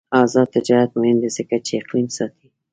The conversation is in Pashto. آزاد تجارت مهم دی ځکه چې اقلیم ساتي.